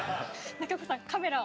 ◆中岡さん、カメラを。